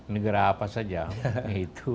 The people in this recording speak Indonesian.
negara apa saja itu